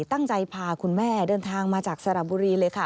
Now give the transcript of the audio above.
พาคุณแม่เดินทางมาจากสระบุรีเลยค่ะ